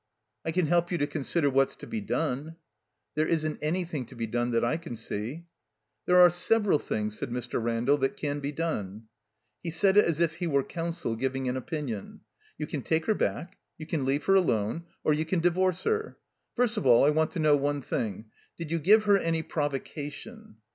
"I can help you to consider what's to be done." There isn't anything to be done that I can see." There are several things," said Mr. Randall, "that can be done." He said it as if he were counsel giving an opinion. "You can take her back; you can leave her alone; or you can divorce her. First of all I want to know one thing. Did you give her any provocation?"